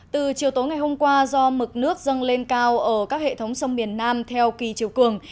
từ chiều tối ngày hôm qua do mực nước dâng lên cao ở các hệ thống sông miền nam theo kỳ chiều cường